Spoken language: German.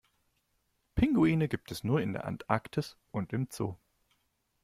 Pinguine gibt es nur in der Antarktis und im Zoo.